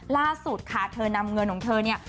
ล่าสุดค่ะเธอนำเงินของเธอเนี่ย